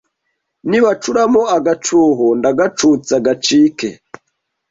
Nibacuramo agacuho Ndagacutsa gacike